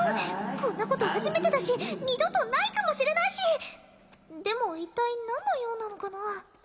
こんなこと初めてだし二度とないかもしれないしでも一体何の用なのかな？